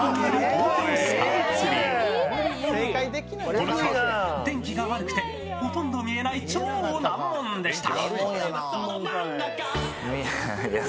この日は天気が悪くてほとんど見えない超難問でした。